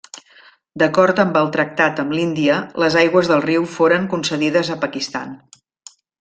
D'acord amb el tractat amb l'Índia, les aigües del riu foren concedides a Pakistan.